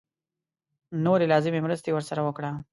نورې لازمې مرستې ورسره وکړو.